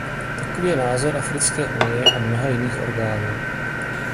Takový je názor Africké unie a mnoha jiných orgánů.